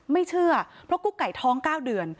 ไม่เชื่อเพราะกุ๊กไก่ท้อง๙เดือน